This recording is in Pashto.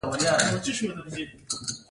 د افغانستان بیلتون د تباهۍ لامل دی